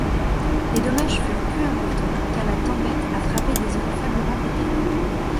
Les dommages furent peu importants car la tempête a frappé des zones faiblement peuplées.